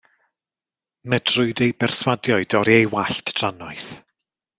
Medrwyd ei berswadio i dorri ei wallt drannoeth.